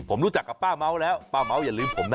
ผมรู้จักกับป้าเม้าแล้วป้าเม้าอย่าลืมผมนะ